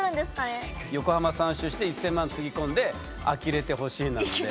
「横浜３周して１，０００万つぎ込んであきれてほしい」なので。